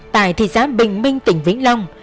tại thị xác bình minh tỉnh vĩnh long